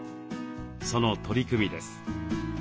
その取り組みです。